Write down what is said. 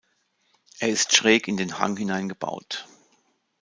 Er ist schräg in den Hang hinein gebaut.